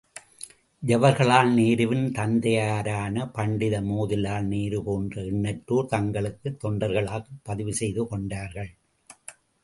ஜவகர்லால் நேருவின் தந்தையாரான பண்டித மோதிலால் நேரு போன்ற எண்ணற்றோர், தங்களைத் தொண்டர்களாகப் பதிவு செய்து கொண்டார்கள்.